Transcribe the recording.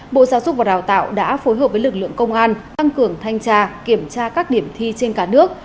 bộ giáo dục và đào tạo đã phối hợp với lực lượng công an tăng cường thanh tra kiểm tra các điểm thi trên cả nước